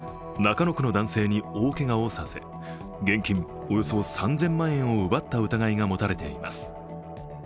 先月５日、中野区の男性に大けがをさせ、現金およそ３０００万円を奪った疑いが持たれています。